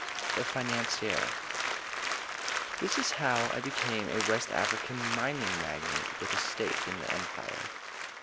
THE FINANCIER This is how I became a West African mining magnate with a stake in the Empire.